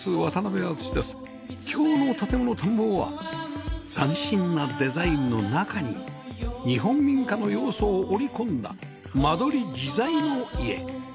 今日の『建もの探訪』は斬新なデザインの中に“日本民家”の要素を織り込んだ間取り自在の家